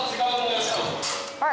はい。